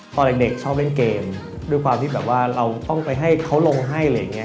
ตอนเด็กชอบเล่นเกมด้วยความที่แบบว่าเราต้องไปให้เขาลงให้อะไรอย่างนี้